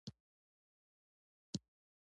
دا پیغام ورکوئ چې خبرو کې یې علاقه لرئ